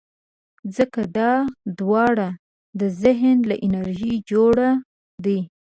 ځکه دا دواړه د ذهن له انرژۍ جوړ دي.